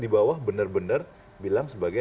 di bawah benar benar bilang sebagai